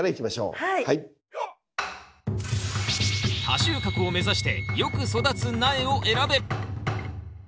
多収穫を目指してよく育つ苗を選べ！